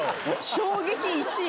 衝撃１位。